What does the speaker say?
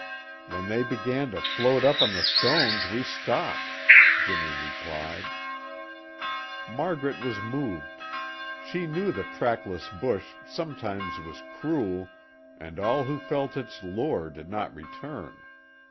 "When they began to float up on the stones, we stopped," Jimmy replied. Margaret was moved. She knew the trackless bush sometimes was cruel and all who felt its lure did not return.